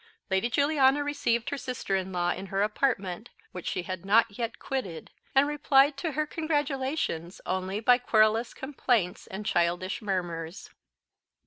Lady Juliana received her sister in law in her apartment, which she had not yet quitted, and replied to her congratulations only by querulous complaints and childish murmurs.